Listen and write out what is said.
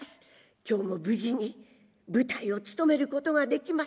今日も無事に舞台をつとめることができました。